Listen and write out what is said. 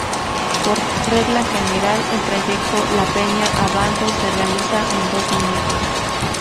Por regla general el trayecto La Peña-Abando se realiza en dos minutos.